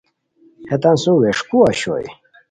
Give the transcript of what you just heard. ہیتان سوم ویݰکو اوشوئے